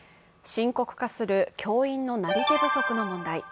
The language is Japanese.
深刻化する教員のなり手不足の問題。